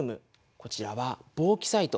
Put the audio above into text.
こちらはボーキサイト。